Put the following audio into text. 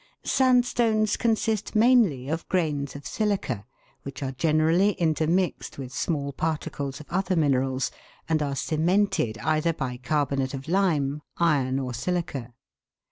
Sandstones consist mainly of grains of silica, which are generally intermixed with small particles ot other minerals, and are cemented either by carbonate of lime, iron, or silica.